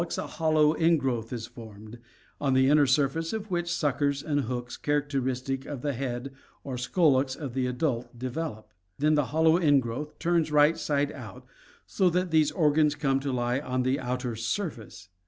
On the wall of the proscolex a hollow ingrowth is formed, on the inner surface of which suckers and hooks characteristic of the head or scolex of the adult develop. Then the hollow ingrowth turns right side out, so that these organs come to lie on the outer surface.